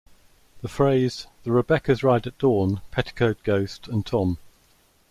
The phrase The Rebeccas ride at dawn, petticoat ghost and Tom.